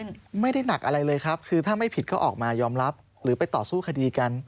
มันไม่ได้หนักอะไรเลยครับคือถ้าไม่ผิดก็ออกมายอมรับหรือไปต่อสู้คดีกัน